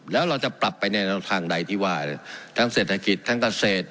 แล้วเราจะปรับไปในทางใดที่ว่าทั้งเศรษฐกิจทั้งเกษตร